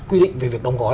quy định về việc đồng gói